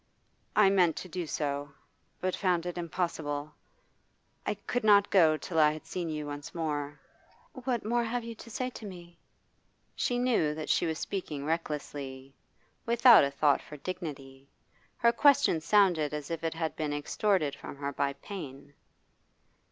'I meant to do so, but found it impossible. I could not go till I had seen you once more.' 'What more have you to say to me?' She knew that she was speaking recklessly, without a thought for dignity. Her question sounded as if it had been extorted from her by pain.